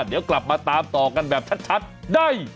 เดี๋ยวกลับมาตามต่อกันแบบชัดได้